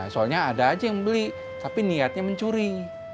soalnya ada aja yang beli tapi niatnya mencuri